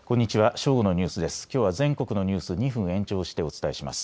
正午のニュースです。